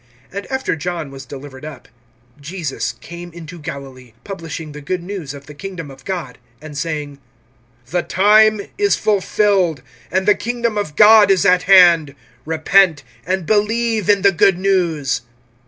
(14)And after John was delivered up, Jesus came into Galilee, publishing the good news of the kingdom of God[1:14], (15)and saying: The time is fulfilled, and the kingdom of God is at hand; repent, and believe in the good news.